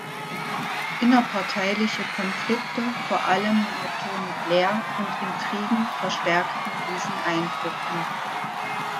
Innerparteiliche Konflikte vor allem mit Tony Blair und Intrigen verstärkten diesen Eindruck noch.